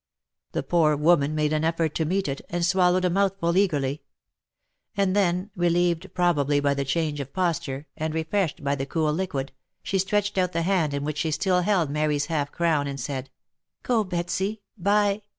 The poor woman made an effort to meet it, and swallowed a mouth ful eagerly ; and then, relieved probably by the change of posture, and refreshed by the cool liquid, she stretched out the hand in which she still held Mary's half crown, and said, " Go Betsy, buy